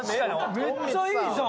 めっちゃいいじゃん。